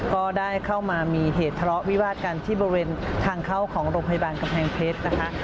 ก็ได้เข้ามามีเหตุทะเลาะวิวาดกันที่บริเวณทางเข้าของโรงพยาบาลกำแพงเพชรนะคะ